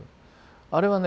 あれはね